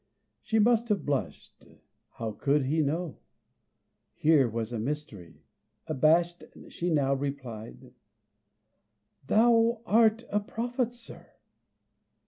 She must have blushed. How could he know? Here was a mystery! Abashed she now replied, "Thou art a prophet, sir!"